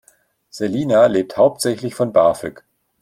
Selina lebt hauptsächlich von BAföG.